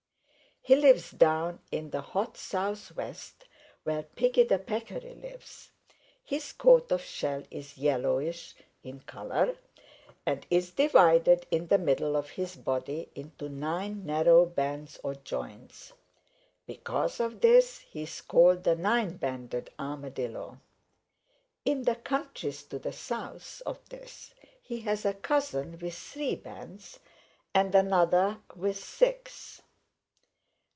"He lives down in the hot Southwest where Piggy the Peccary lives. His coat of shell is yellowish in color and is divided in the middle of his body into nine narrow bands or joints. Because of this he is called the Nine banded Armadillo. In the countries to the south of this he has a cousin with three bands and another with six.